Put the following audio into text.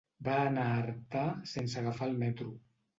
Va anar a Artà sense agafar el metro.